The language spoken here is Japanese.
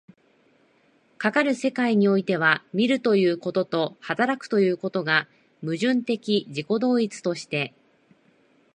かかる世界においては、見るということと働くということとが矛盾的自己同一として、